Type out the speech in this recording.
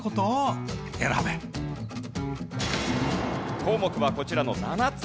項目はこちらの７つ。